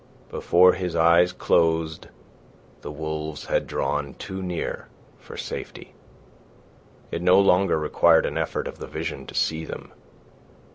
Before his eyes closed the wolves had drawn too near for safety. It no longer required an effort of the vision to see them.